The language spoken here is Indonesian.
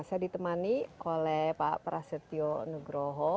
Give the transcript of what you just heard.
saya ditemani oleh pak prasetyo nugroho